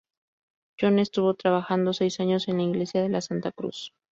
Jón estuvo trabajando seis años en la iglesia de la Santa Cruz.